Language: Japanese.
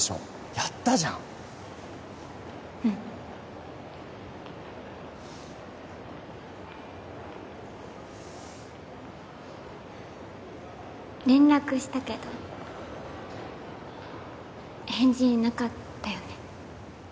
やったじゃんうん連絡したけど返事なかったよね